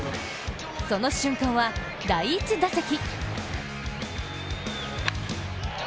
その瞬間は第１打席。